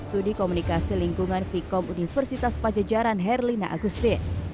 studi komunikasi lingkungan vkom universitas pajajaran herlina agustin